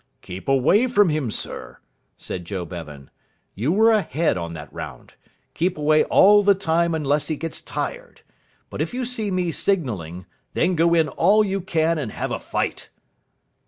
"Keep away from him, sir," said Joe Bevan. "You were ahead on that round. Keep away all the time unless he gets tired. But if you see me signalling, then go in all you can and have a fight."